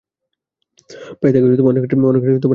প্রায়ই তাহাকে অনেক রাত্রে আপিস হইতে ফিরিতে হইত।